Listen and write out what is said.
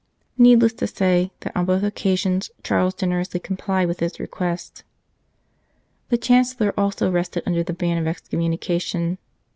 Needless to say that on both occasions Charles generously complied with his request. The Chancellor also rested under the ban of excommunication.